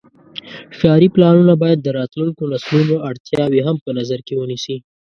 ښاري پلانونه باید د راتلونکو نسلونو اړتیاوې هم په نظر کې ونیسي.